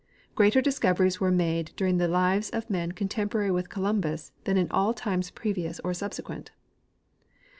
Greater discoveries Avere made during the lives of men contemporary Avith Columbus than in all times preAious or subsequent.